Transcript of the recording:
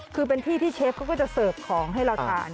คือเป็นที่ที่เชฟเขาก็จะเสิร์ฟของให้เราทาน